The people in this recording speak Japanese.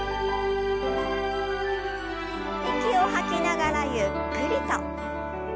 息を吐きながらゆっくりと。